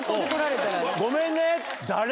ごめんね。